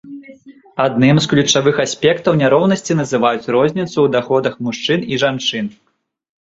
Адным з ключавых аспектаў няроўнасці называюць розніцу ў даходах мужчын і жанчын.